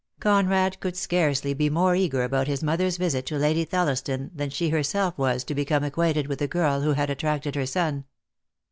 Conrad could scarcely be more eager about his mother's visit to Lady Thelliston than she herself was to become acquainted with the girl who had attracted her son.